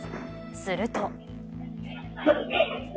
すると。